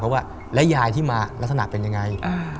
เพราะว่าแล้วยายที่มาลักษณะเป็นยังไง